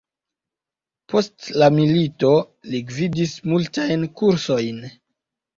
Post la milito li gvidis multajn kursojn.